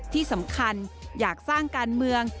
ที่สำคัญอยากสร้างการเมือง